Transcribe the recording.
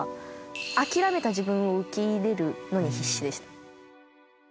諦めた自分を受け入れるのに必死でした。